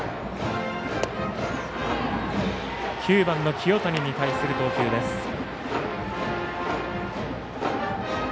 ９番の清谷に対する投球です。